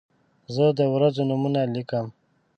زه د ورځو نومونه لیکم.